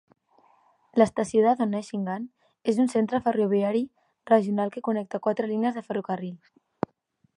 L'estació de Donaueschingen és un centre ferroviari regional que connecta quatre línies de ferrocarril.